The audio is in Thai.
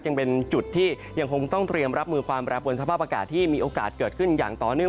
ยังเป็นจุดที่ยังคงต้องเตรียมรับมือความแปรปวนสภาพอากาศที่มีโอกาสเกิดขึ้นอย่างต่อเนื่อง